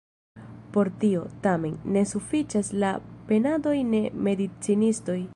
Por tio, tamen, ne sufiĉas la penadoj de medicinistoj.